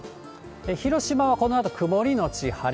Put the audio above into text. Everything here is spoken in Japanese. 広島はこのあと曇り後晴れ。